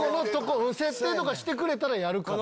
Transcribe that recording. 設定とかしてくれたらやるから。